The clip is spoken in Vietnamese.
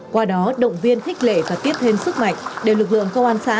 qua đó động viên khích lệ và tiết hên sức mạnh để lực lượng công an xã